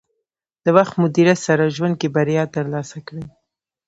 د وخت مدیریت سره ژوند کې بریا ترلاسه کړئ.